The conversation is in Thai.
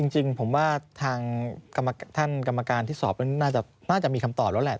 จริงผมว่าทางท่านกรรมการที่สอบน่าจะมีคำตอบแล้วแหละ